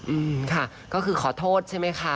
อืมค่ะก็คือขอโทษใช่ไหมคะ